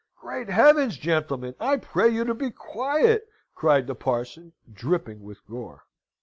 "Great heavens, gentlemen, I pray you to be quiet!" cried the parson, dripping with gore.